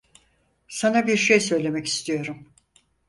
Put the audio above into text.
Sana bir şey söylemek istiyorum.